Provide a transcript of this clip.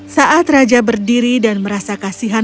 saat raja berdiri dan merasa kasihan